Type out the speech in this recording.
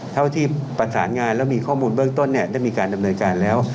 เท่าที่ประสานงานแล้วมีข้อมูลเบื้องต้นเนี่ยได้มีการดำเนินการแล้ว